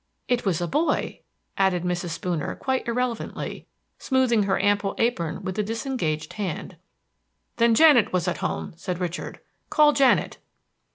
It was a boy," added Mrs. Spooner, quite irrelevantly, smoothing her ample apron with the disengaged hand. "Then Janet was at home," said Richard. "Call Janet."